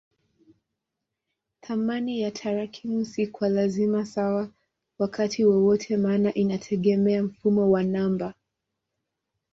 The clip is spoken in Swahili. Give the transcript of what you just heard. Thamani ya tarakimu si kwa lazima sawa wakati wowote maana inategemea mfumo wa namba.